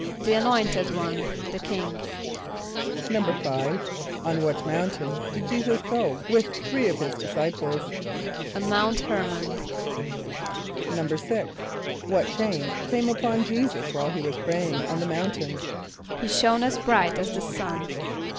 =The Anointed One, the King.= =5.= On what mountain did J[=e]´[s+]us go with three of his disciples? =On Mount H[~e]r´mon.= =6.= What change came upon J[=e]´[s+]us while he was praying on the mountain? =He shone as bright as the sun.